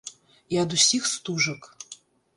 І ад усіх стужак.